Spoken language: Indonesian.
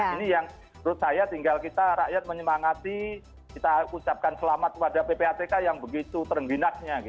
ini yang menurut saya tinggal kita rakyat menyemangati kita ucapkan selamat kepada ppatk yang begitu terengginasnya